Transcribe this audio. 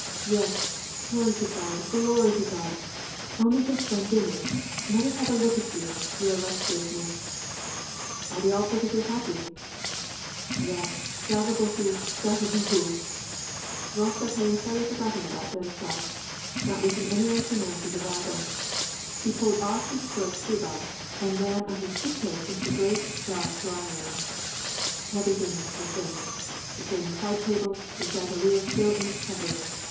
" Yes ! glory to God, glory to God ! Only just done dinner I Let us have a look at you, your illustriousness !'*" Are they all perfectly happy ?"" Yes, slava Boku ! slava Bohu !" Rostof had entirely forgotten about Denisof ; not wishin any one to announce his arrival, he pulled off his far shubaij • QolubcKik. WAR AND PEACE. 3 and ran on his tiptoes into the great, dark, drawing room. Evetything was the same ; the same card tables, the chandelier still in its covering.